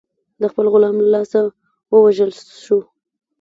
د خپل غلام له لاسه ووژل شو.